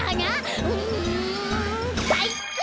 うんかいか！